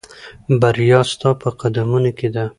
بریا ستا په قدمونو کې ده.